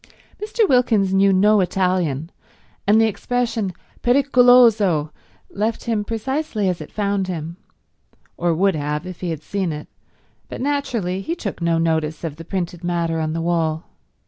Mr. Wilkins knew no Italian, and the expression pericoloso left him precisely as it found him—or would have if he had seen it, but naturally he took no notice of the printed matter on the wall.